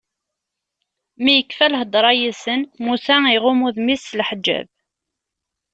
Mi yekfa lhedṛa yid-sen, Musa iɣumm udem-is s leḥǧab.